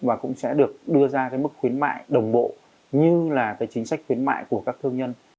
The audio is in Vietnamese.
và cũng sẽ được đưa ra cái mức khuyến mại đồng bộ như là cái chính sách khuyến mại của các thương nhân